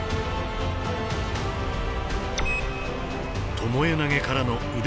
巴投げからの腕